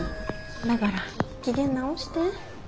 だから機嫌直して。